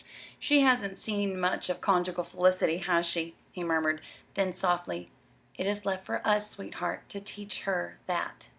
She hasn't seen much of conjugal felicity; has she?" he murmured; then, softly: "It is left for us, sweetheart, to teach her that."